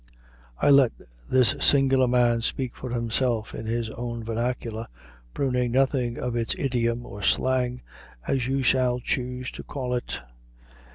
'" I let this singular man speak for himself in his own vernacular, pruning nothing of its idiom or slang, as you shall choose to call it.